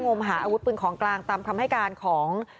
มหาอาวุธปืนของกลางตามคำให้การของ